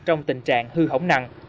trong tình trạng hư hỏng nặng